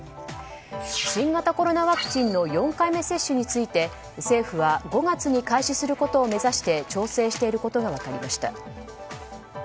新型コロナワクチンの４回目接種について政府は５月に開始することを目指して調整していることが分かりました。